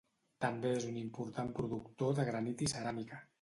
També és un important productor de granit i ceràmica.